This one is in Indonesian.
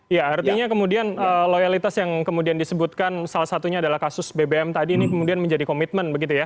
ya artinya kemudian loyalitas yang kemudian disebutkan salah satunya adalah kasus bbm tadi ini kemudian menjadi komitmen begitu ya